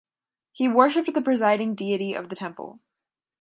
He worshipped the presiding deity of the temple.